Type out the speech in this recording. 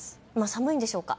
寒いんでしょうか。